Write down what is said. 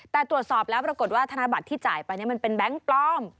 แต่ตรวจสอบแล้วปรากฏว่าธนบัตรที่จ่ายไปมันเป็นแบงค์ปลอม